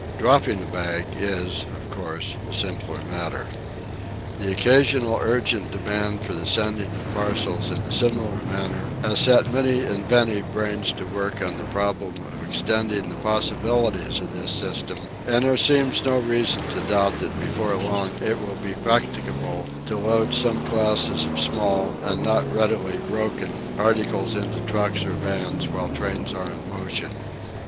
Dropping a bag is, of course, a simpler matter. The occasionally urgent demand for the sending of parcels in a similar manner has set many inventive brains to work on the problem of extending the possibilities of this system, and there seems no reason to doubt that before long it will be practicable to load some classes of small, and not readily broken, articles into trucks or vans while trains are in motion.